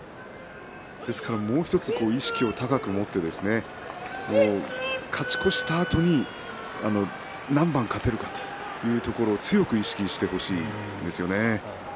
ですからもう１つ意識を高く持って勝ち越したあとに何番勝てるかというところを強く意識してほしいですね。